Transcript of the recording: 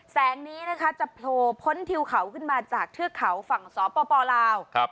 แสงนี้นะคะจะโผล่พ้นทิวเขาขึ้นมาจากเทือกเขาฝั่งสปลาว